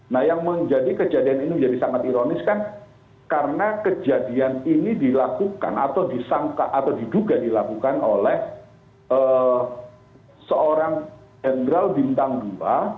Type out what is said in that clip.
nah yang menjadi kejadian ini menjadi sangat ironis kan karena kejadian ini dilakukan atau disangka atau diduga dilakukan oleh seorang jenderal bintang dua